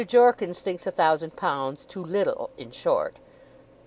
Jorkins thinks a thousand pounds too little, in short.